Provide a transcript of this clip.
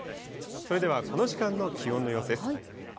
それではこの時間の気温の様子です。